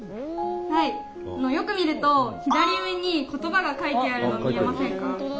よく見ると左上に言葉が書いてあるの見えませんか？